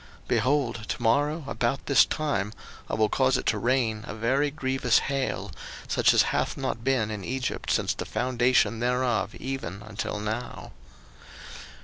02:009:018 Behold, to morrow about this time I will cause it to rain a very grievous hail, such as hath not been in Egypt since the foundation thereof even until now.